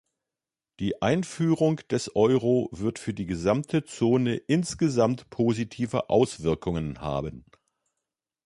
Die Einführung des Euro wird für die gesamte Zone insgesamt positive Auswirkungen haben.